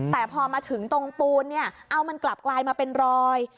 แต่พอมาถึงตรงปูนเนี่ยเอามันกลับกลายมาเป็นรอย